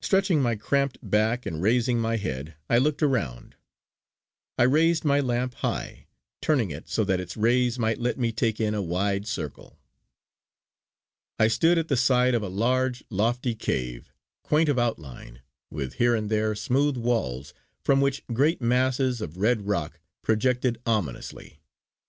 Stretching my cramped back and raising my head, I looked around. I raised my lamp high, turning it so that its rays might let me take in a wide circle. I stood at the side of a large, lofty cave, quaint of outline, with here and there smooth walls from which great masses of red rock projected ominously.